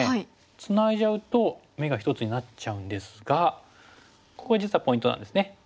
ツナいじゃうと眼が１つになっちゃうんですがここが実はポイントなんですね。